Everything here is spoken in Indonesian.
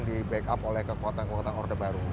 di backup oleh kekuatan kekuatan orde baru